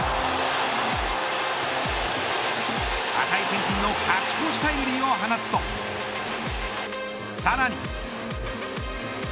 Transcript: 値千金の勝ち越しタイムリーを放つとさらに。